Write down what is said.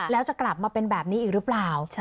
แล้วจะกลับมาเป็นแบบนี้อีกหรือเปล่า